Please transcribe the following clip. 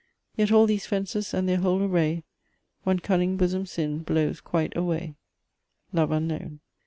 Yet all these fences and their whole array One cunning bosom sin blows quite away. LOVE UNKNOWN.